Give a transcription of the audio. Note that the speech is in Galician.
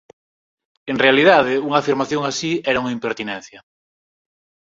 En realidade, unha afirmación así era unha impertinencia.